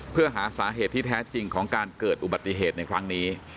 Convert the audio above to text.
เพื่อหาสาเหตุที่แท้จริงของการเกิดอุบัติเหตุในครั้งนี้